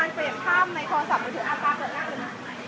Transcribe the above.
มันจะมีการเปลี่ยนภาพในโทรศัพท์บ